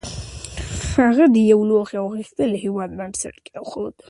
هغه د یو لوی او غښتلي هېواد بنسټ کېښود.